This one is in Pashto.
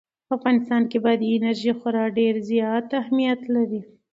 په افغانستان کې بادي انرژي خورا ډېر زیات اهمیت لري.